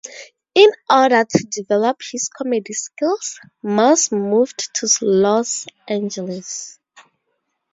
In order to develop his comedy skills, Moss moved to Los Angeles.